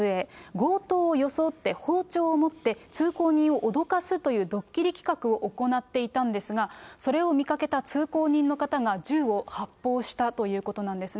強盗を装って包丁を持って、通行人を脅かすというドッキリ企画を行っていたんですが、それを見かけた通行人の方が銃を発砲したということなんですね。